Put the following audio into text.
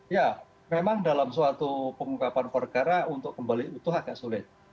ya memang dalam suatu pengungkapan perkara untuk kembali utuh agak sulit